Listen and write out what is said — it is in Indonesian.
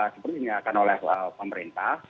sepertinya akan oleh pemerintah